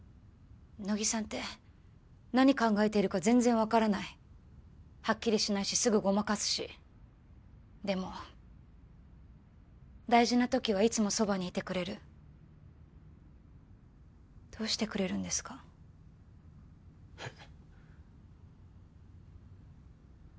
乃木さんて何考えてるか全然分からないはっきりしないしすぐごまかすしでも大事な時はいつもそばにいてくれるどうしてくれるんですかえっ？